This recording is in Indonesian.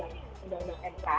lagi seharusnya sih tidak